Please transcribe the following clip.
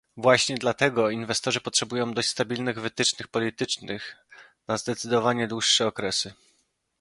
Właśnie dlatego inwestorzy potrzebują dość stabilnych wytycznych politycznych na zdecydowanie dłuższe okresy